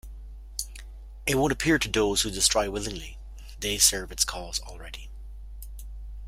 It won't appear to those who destroy willingly - they serve its cause already.